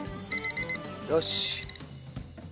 よし。